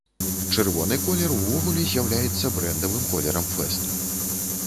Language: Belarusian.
Чырвоны колер увогуле з'яўляецца брэндавым колерам фэсту.